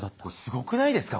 すごくないですか？